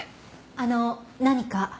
あの何か？